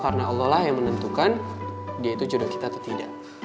karena allah lah yang menentukan dia itu jodoh kita atau tidak